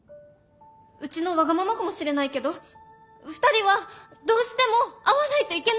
うちのわがままかもしれないけど２人はどうしても会わないといけないんです！